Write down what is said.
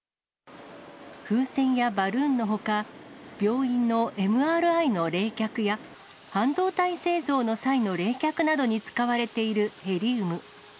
風船やバルーンのほか、病院のＭＲＩの冷却や半導体製造の際の冷却などに使われている、ヘリウム。